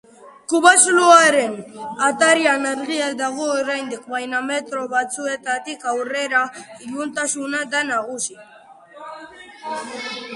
Kobazuloaren atarian argia dago oraindik, baina metro batzuetatik aurrera iluntasuna da nagusi.